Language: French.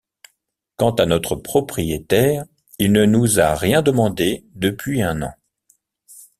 Quant à notre propriétaire, il ne nous a rien demandé depuis un an.